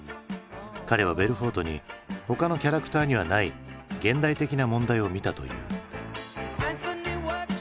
彼はベルフォートに他のキャラクターにはない現代的な問題を見たという。